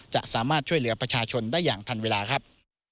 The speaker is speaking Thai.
จะสามารถช่วยเหลือประชาชนได้อย่างทันเวลาครับ